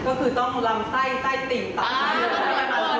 ก็คือต้องลำไส้ใต่ติ่งแต่ง